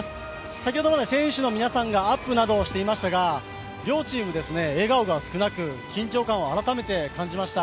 先ほどまで選手の皆さんがアップなどをしていましたが両チーム、笑顔が少なく、緊張感を改めて感じました。